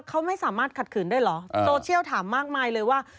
เขาไม่สามารถขัดขืนได้เหรอโซเชียลถามมากมายเลยว่า